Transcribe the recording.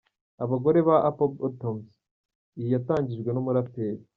Abagore ya Apple Bottoms, iyi yatangijwe n’umuraperi.